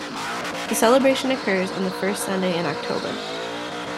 The celebration occurs on the first Sunday in October.